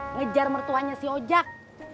ngejar mertuanya si ojak